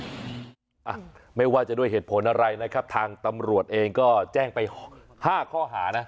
อ่ะไม่ว่าจะด้วยเหตุผลอะไรนะครับทางตำรวจเองก็แจ้งไปห้าข้อหานะ